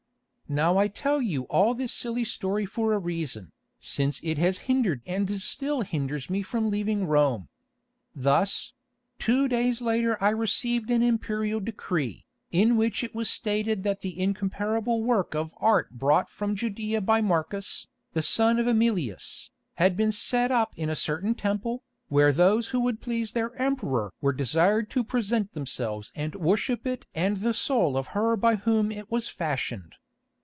"Now I tell you all this silly story for a reason, since it has hindered and still hinders me from leaving Rome. Thus: two days later I received an Imperial decree, in which it was stated that the incomparable work of art brought from Judæa by Marcus, the son of Emilius, had been set up in a certain temple, where those who would please their Emperor were desired to present themselves and worship it and the soul of her by whom it was fashioned.